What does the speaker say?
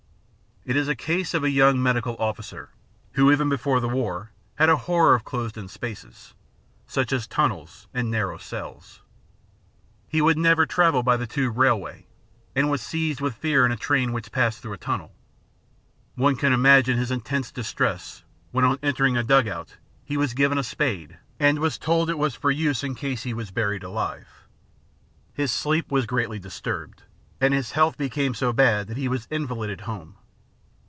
It is the case of a young medical officer, who even before the war had a horror of closed in spaces, such as tunnels and narrow cells. He would never travel by the tube railway, and was seized with fear in a train which passed through a timnel. One can imagine his intense distress when on entering a dug out he was given a spade and told it was for 560 The Outline of Science use in case he was buried alive. His sleep was greatly dis turbedy and his health became so bad that he was invalided home.